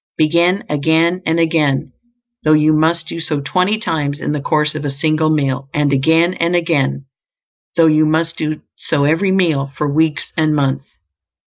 Begin again and again, though you must do so twenty times in the course of a single meal; and again and again, though you must do so every meal for weeks and months.